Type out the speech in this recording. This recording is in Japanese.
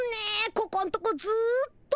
ここんとこずっと。